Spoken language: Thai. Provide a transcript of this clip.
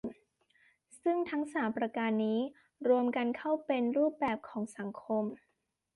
ซึ่งทั้งสามประการนี้ รวมกันเข้าเป็นรูปแบบของสังคม